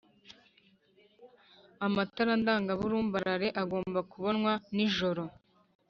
Amatara ndanga burumbarare agomba kubonwa n’ijoro